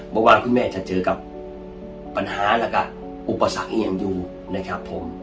บางวันคุณแม่จะเจอกับปัญหาและกับอุปสรรคอย่างอยู่นะครับผม